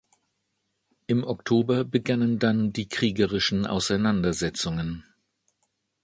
Im Oktober begannen dann die kriegerischen Auseinandersetzungen.